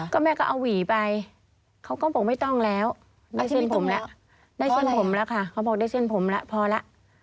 ก็แม่ก็เอาหวีไปเขาก็บอกไม่ต้องแล้วได้เส้นผมแล้วได้เส้นผมแล้วค่ะเขาบอกได้เส้นผมแล้วพอแล้ว